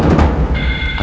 aku gak tau ya